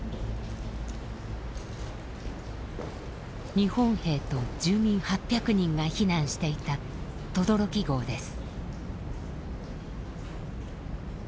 日本兵と住民８００人が避難していた轟壕です。